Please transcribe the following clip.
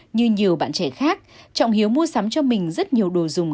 như nhiều bạn trẻ khác trọng hiếu mua sắm cho mình rất nhiều đồ dùng